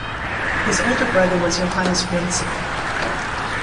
His older brother was Johannes Gruentzig.